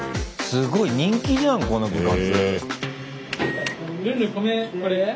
すごい人気じゃんこの部活。